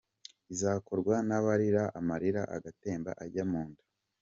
Iza korwa n’abarira amarira agatemba ajya munda.